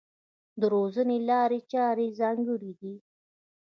د روزنې لارې چارې یې ځانګړې دي.